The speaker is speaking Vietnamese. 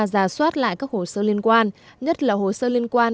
ra soát lại các hồ sơ liên quan